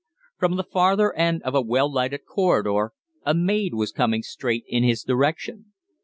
From the farther end of a well lighted corridor a maid was coming straight in his direction.